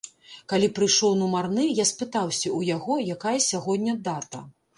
Калі прыйшоў нумарны, я спытаўся ў яго, якая сягоння дата?